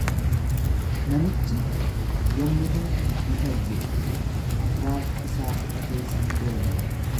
Namichi yommusuma ni fayye, afraash isaa fudhatees ni deeme.